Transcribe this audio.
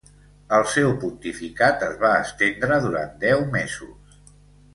El seu pontificat es va estendre durant deu mesos.